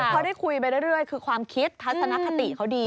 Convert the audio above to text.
พอได้คุยไปเรื่อยคือความคิดทัศนคติเขาดี